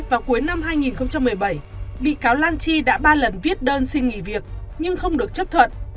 vào cuối năm hai nghìn một mươi bảy bị cáo lan chi đã ba lần viết đơn xin nghỉ việc nhưng không được chấp thuận